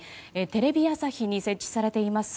テレビ朝日に設置されています